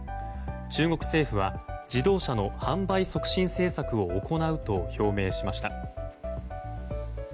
中国政府は自動車の販売促進政策を行うと表明しました。